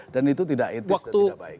dan itu tidak etis dan tidak baik